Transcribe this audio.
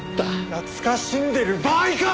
懐かしんでる場合か！